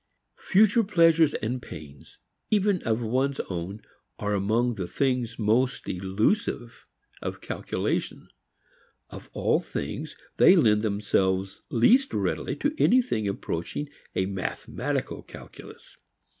Future pleasures and pains, even of one's own, are among the things most elusive of calculation. Of all things they lend themselves least readily to anything approaching a mathematical calculus.